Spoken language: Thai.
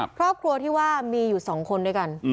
ครอบครัวที่ว่ามีอยู่๒คนด้วยกัน